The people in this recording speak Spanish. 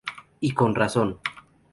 Y con razón.